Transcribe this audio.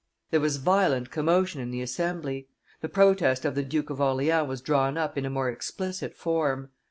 There was violent commotion in the assembly; the protest of the Duke of Orleans was drawn up in a more explicit form.